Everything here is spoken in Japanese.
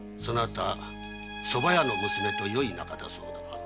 ソバ屋の娘とよい仲だそうだな。